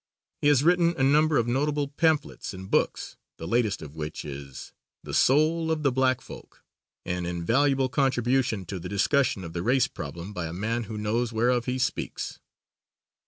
He has written a number of notable pamphlets and books, the latest of which is "The Soul of the Black Folk," an invaluable contribution to the discussion of the race problem by a man who knows whereof he speaks.